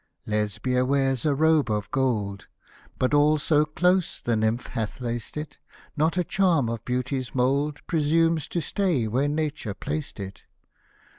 Lesbia wears a robe of gold, But all so close the nymph hath laced it, Not a charm of beauty's mould Presumes to stay where nature placed it.